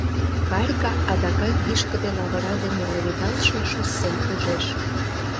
Варька адакат вишкыде лавыра дене леведалтше шоссем ужеш.